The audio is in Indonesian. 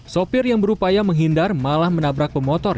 sopir yang berupaya menghindar malah menabrak pemotor